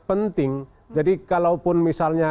penting jadi kalaupun misalnya